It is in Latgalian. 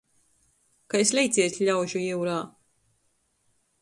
Kai sleiciejs ļaužu jiurā.